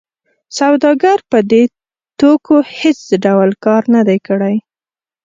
سوداګر په دې توکو هېڅ ډول کار نه دی کړی